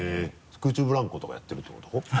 空中ブランコとかやってるってこと？